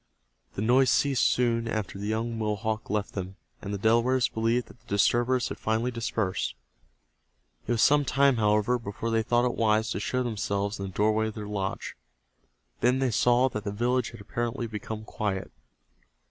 The noise ceased soon after the young Mohawk left them, and the Delawares believed that the disturbers had finally dispersed. It was some time, however, before they thought it wise to show themselves in the doorway of their lodge. Then they saw that the village had apparently become quiet.